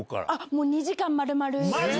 もう２時間丸々。